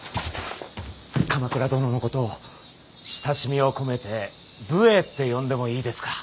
鎌倉殿のことを親しみを込めて武衛って呼んでもいいですか。